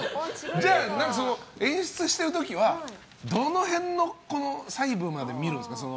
演出してる時はどの辺の細部まで見るんですか？